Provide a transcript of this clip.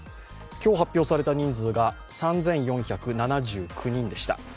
今日発表された人数が３４７９人でした。